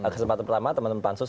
kesempatan pertama teman teman pansus